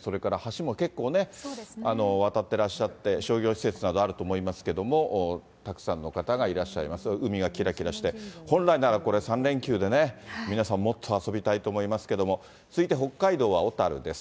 それから橋も結構ね、渡ってらっしゃって、商業施設などあると思いますけれども、たくさんの方がいらっしゃいますが、海がきらきらして、本来ならこれ、３連休でね、皆さんもっと遊びたいと思いますけども、続いて北海道は小樽です。